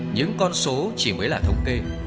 những con số chỉ mới là thông kê